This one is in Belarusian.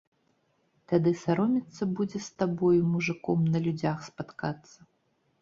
Тады саромецца будзе з табою, мужыком, на людзях спаткацца.